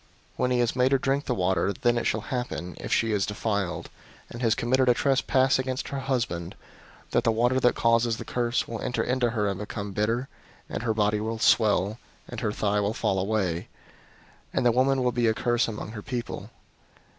005:027 When he has made her drink the water, then it shall happen, if she is defiled, and has committed a trespass against her husband, that the water that causes the curse will enter into her and become bitter, and her body will swell, and her thigh will fall away: and the woman will be a curse among her people.